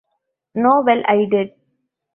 No - well, I did.